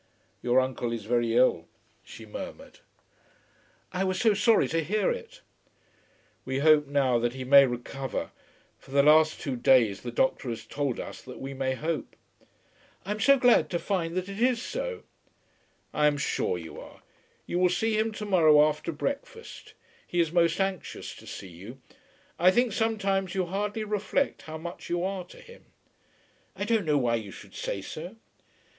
"Your uncle is very ill," she murmured. "I was so sorry to hear it." "We hope now that he may recover. For the last two days the doctor has told us that we may hope." "I am so glad to find that it is so." "I am sure you are. You will see him to morrow after breakfast. He is most anxious to see you. I think sometimes you hardly reflect how much you are to him." "I don't know why you should say so."